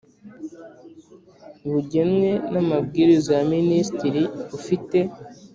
bugenwa n Amabwiriza ya Minisitiri ufite